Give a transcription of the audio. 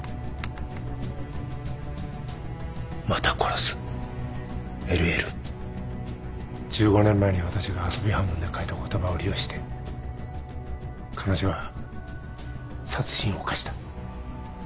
「また殺す」「ＬＬ」１５年前に私が遊び半分で書いた言葉を利用して彼女は殺人を犯した。